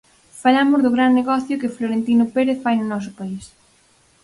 Falamos do gran negocio que Florentino Pérez fai no noso país.